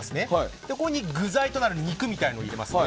ここに具材となる肉みたいなのを入れますね。